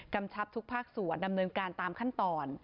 กำชับทุกภาคสวรรค์ดำเนินการตามขั้นตอน